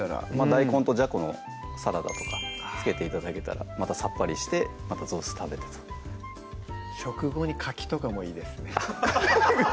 大根とじゃこのサラダとか付けて頂けたらまたさっぱりしてまたぞうすい食べてと食後に柿とかもいいですね